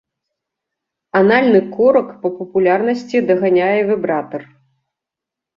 Анальны корак па папулярнасці даганяе вібратар.